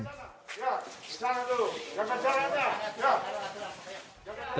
ya sana dulu jangan jalan jalan